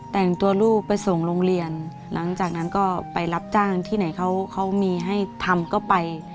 แต่งตัวลูกไปส่งโรงเรียนหลังจากนั้นก็ไปรับจ้างที่ไหนเขามีให้ทำก็ไป